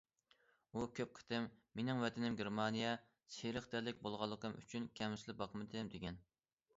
ئۇ كۆپ قېتىم:‹‹ مېنىڭ ۋەتىنىم گېرمانىيە››، سېرىق تەنلىك بولغانلىقىم ئۈچۈن كەمسىتىلىپ باقمىدىم، دېگەن.